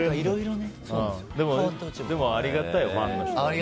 でも、ありがたいよねファンの人は。